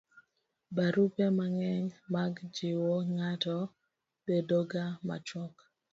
barupe mang'eny mag jiwo ng'ato bedo ga machuok